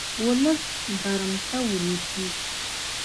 ولس برمته ونیسي.